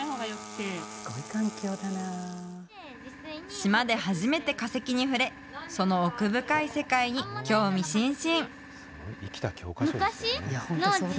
島で初めて化石に触れ、その奥深い世界に興味津々。